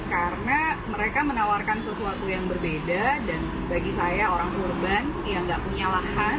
karena mereka menawarkan sesuatu yang berbeda dan bagi saya orang urban yang nggak punya lahan